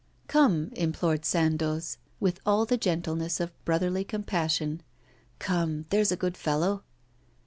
'Come,' implored Sandoz, with all the gentleness of brotherly compassion. 'Come, there's a good fellow.